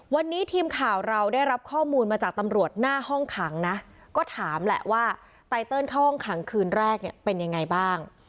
วันนี้ทีมข่าวเราได้รับข้อมูลมาจากตำรวจหน้าห้องขังนะก็ถามแหละว่าไตเติลเข้าห้องขังคืนแรกเนี่ยเป็นยังไงบ้าง